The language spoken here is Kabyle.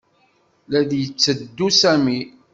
La d-yetteddu Sami.